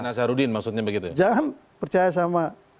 nasarudin maksudnya begitu jangan percaya sama